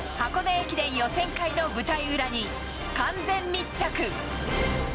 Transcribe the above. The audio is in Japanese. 駅伝予選会の舞台裏に完全密着。